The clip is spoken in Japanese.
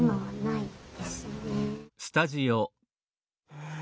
うん。